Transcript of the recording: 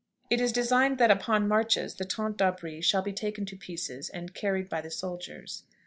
It is designed that upon marches the tente d'abri shall be taken to pieces and carried by the soldiers.